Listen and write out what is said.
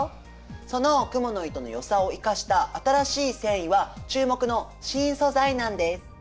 そのクモの糸のよさを生かした新しい繊維は注目の新素材なんです。